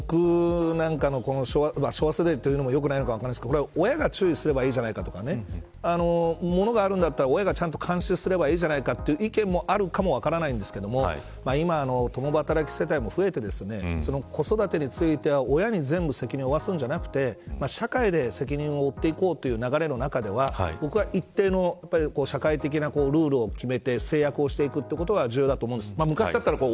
僕なんかの昭和世代というのもよく分からないですけど親が注意すればいいじゃないかとものがあるんだったら親が監視すればいいじゃないかという意見もあるかも分からないんですが今は共働き世帯も増えて子育てについては親に全部責任を負わせるんじゃなくて社会で責任を負っていこうという流れの中では僕は一定の社会的なルールを決めて制約をしていくことが重要だと思います。